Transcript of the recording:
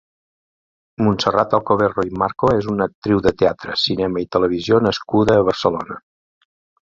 Montserrat Alcoverro i Marco és una actriu de teatre, cinema i televisió nascuda a Barcelona.